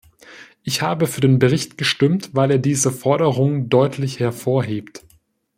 Ich habe für den Bericht gestimmt, weil er diese Forderung deutlich hervorhebt.